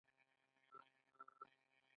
ایا سړې اوبه کاروئ؟